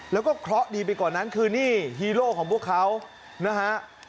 แล้วก็เคราะห์ดีไปกว่านั้นคือนี่ฮีโร่ของพวกเขานะฮะ